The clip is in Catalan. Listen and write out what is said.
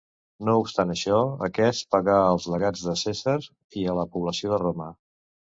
No obstant això, aquest pagà als legats de Cèsar i a la població de Roma.